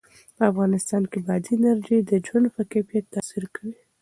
په افغانستان کې بادي انرژي د ژوند په کیفیت تاثیر کوي.